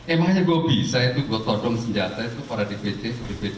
emangnya gue bisa itu gue todong senjata itu para dpc dpd